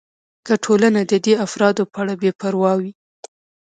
که ټولنه د دې افرادو په اړه بې پروا وي.